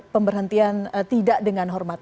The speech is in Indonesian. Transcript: pemberhentian tidak dengan hormat